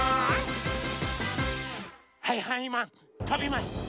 はいはいマンとびます！